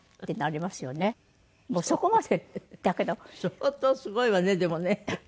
相当すごいわねでもね。